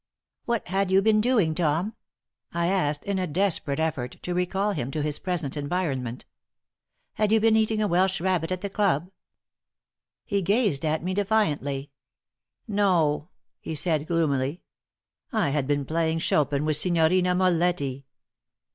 "What had you been doing, Tom?" I asked, in a desperate effort to recall him to his present environment. "Had you been eating a Welsh rabbit at the club?" He gazed at me, defiantly. "No," he said, gloomily, "I had been playing Chopin with Signorina Moletti."